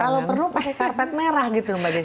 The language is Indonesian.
kalau perlu pakai karpet merah gitu mbak des